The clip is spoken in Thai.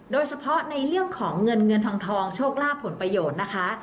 โดยเฉพาะในเรื่องของเงินเงินทองโชคลาภผลประโยชน์นะคะ